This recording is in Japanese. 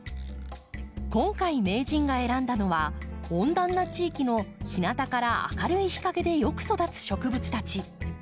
今回名人が選んだのは温暖な地域の日なたから明るい日陰でよく育つ植物たち。